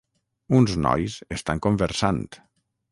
Uns nois estan conversant.